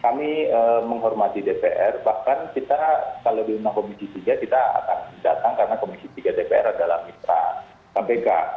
kami menghormati dpr bahkan kita kalau diundang komisi tiga kita akan datang karena komisi tiga dpr adalah mitra kpk